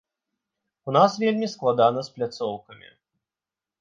У нас вельмі складана з пляцоўкамі.